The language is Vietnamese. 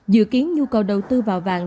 điều kiến nhu cầu đầu tư vào vàng